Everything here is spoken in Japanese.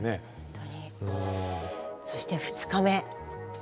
そして２日目。